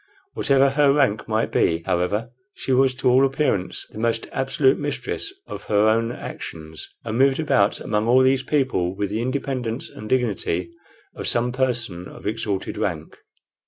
Whatever her rank might be, however, she was to all appearance the most absolute mistress of her own actions, and moved about among all these people with the independence and dignity of some person of exalted rank.